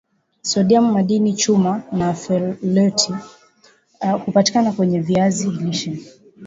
sodiamu madini chuma na foleti hupatikana kwenye viazi lishe